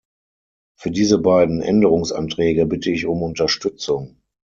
Für diese beiden Änderungsanträge bitte ich um Unterstützung.